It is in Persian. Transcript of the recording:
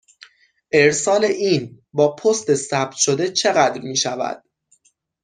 ارسال این با پست ثبت شده چقدر می شود؟